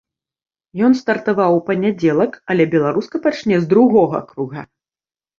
Ён стартаваў у панядзелак, але беларуска пачне з другога круга.